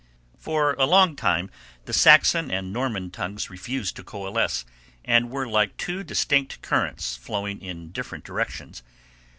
For a long time the Saxon and Norman tongues refused to coalesce and were like two distinct currents flowing in different directions.